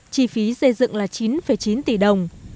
chỉ phí xây dựng là chín chín tỷ đồng